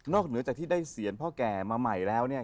เหนือจากที่ได้เสียรพ่อแก่มาใหม่แล้วเนี่ย